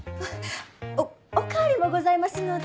おお代わりもございますので。